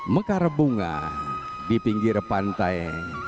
mekar bunga di pinggir pantai